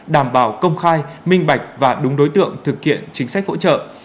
đảm bảo công khai minh bạch và đúng đối tượng thực hiện chính sách hỗ trợ